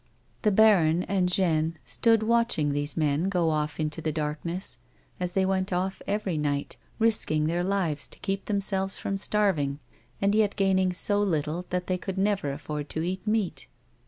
The baron and Jeanne stood watching these men go off into the darkness, as they went ofi' every night, risking their lives to keep themselves from starving, and yet gaining so little that they could never afford to eat meat.